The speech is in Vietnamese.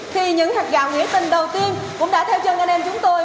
thì những hạt gạo nghĩa tình đầu tiên cũng đã theo chân anh em chúng tôi